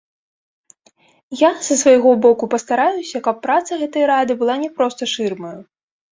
Я са свайго боку пастараюся, каб праца гэтай рады была не проста шырмаю.